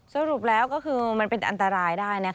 สรุปแล้วก็คือมันเป็นอันตรายได้